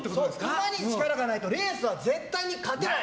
馬に力がないトレースは絶対に勝てない。